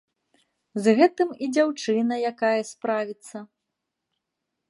З гэтым і дзяўчына якая справіцца.